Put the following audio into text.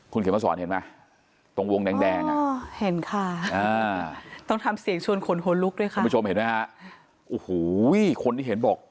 คนที่เห็นบอก